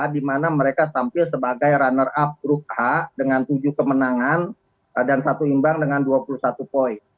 di mana mereka tampil sebagai runner up grup h dengan tujuh kemenangan dan satu imbang dengan dua puluh satu poin